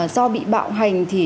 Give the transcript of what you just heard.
do bị bạo hành thì